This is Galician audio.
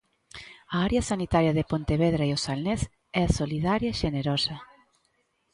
A área sanitaria de Pontevedra e O Salnés é solidaria e xenerosa.